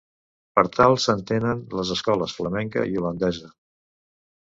Per tal s'entenen les escoles flamenca i holandesa.